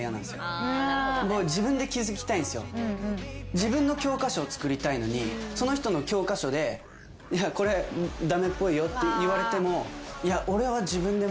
自分の教科書をつくりたいのにその人の教科書でこれ駄目っぽいよって言われてもいや。